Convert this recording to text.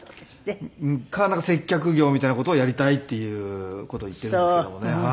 かなんか接客業みたいな事をやりたいっていう事を言っているんですけどもね。